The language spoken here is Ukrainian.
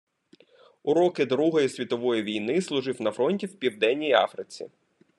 У роки Другої світової війни служив на фронті в Південній Африці.